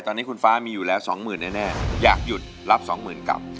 ตอนนี้คุณฟ้ามีอยู่แล้ว๒๐๐๐๐๐เน่อยากหยุดรับ๒๐๐๐๐๐กลับ